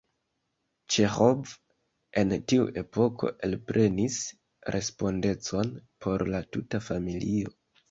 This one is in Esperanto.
Ĉeĥov en tiu epoko elprenis respondecon por la tuta familio.